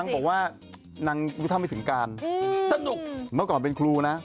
นางเอาพระเอานู่นนี้ไปปล่อยนะ